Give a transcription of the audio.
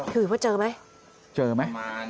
ถือว่าเจอไหม